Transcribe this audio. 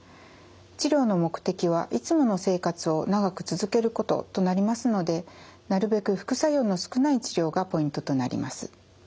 治療の目的はいつもの生活を長く続けることとなりますのでなるべく副作用の少ない治療がポイントとなります。